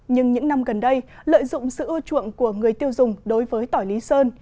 nhưng những năm gần đây lợi dụng sự ưa chuộng của người tiêu dùng đối với tỏi lý sơn